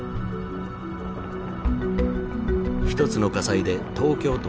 １つの火災で東京都